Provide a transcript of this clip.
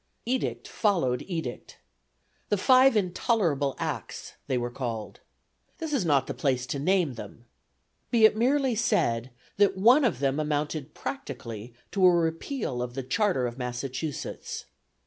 Edict followed edict. The Five Intolerable Acts, they were called. This is not the place to name them; be it merely said that one of them amounted practically to a repeal of the Charter of Massachusetts.